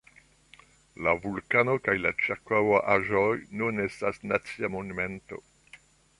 La vulkano kaj la ĉirkaŭaĵoj nun estas nacia monumento.